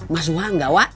mas wak enggak wak